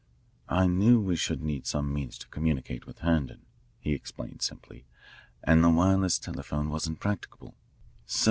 "I knew we should need some means to communicate with Herndon," he explained simply, "and the wireless telephone wasn't practicable.